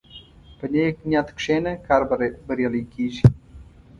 په نیک نیت کښېنه، کار بریالی کېږي.